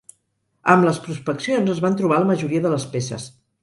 Amb les prospeccions es van trobar la majoria de les peces.